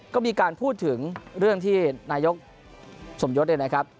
ก็มีการพูดถึงเรื่องที่นายกสมยศเนี่ยนะครับ